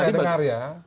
yang saya dengar ya